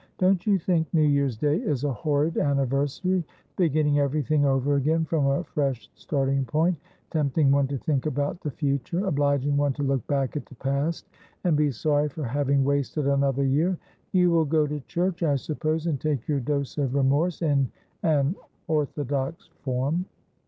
' Don't you think New Year's Day is a horrid anniversary ?— beginning everything over again from a fresh starting point : tempting one to think about the future ; obliging one to look back at the past and be sorry for having wasted another year. You will go to church, I suppose, and take your dose of remorse in an orthodox form